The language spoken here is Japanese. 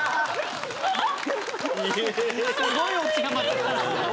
すごいオチが待ってた。